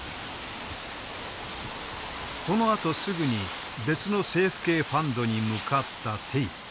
このあとすぐに別の政府系ファンドに向かった。